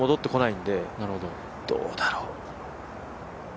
どうだろう。